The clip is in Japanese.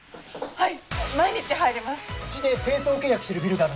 はい！